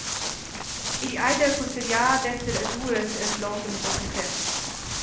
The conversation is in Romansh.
Igl ei da cussegliar d’esser ad uras els loghens da concert.